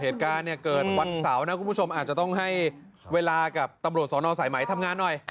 เหตุการณ์เนี่ยเกิดวันเสาร์นะคุณผู้ชมอาจจะต้องให้เวลากับตำรวจสอนอสายไหมทำงานหน่อย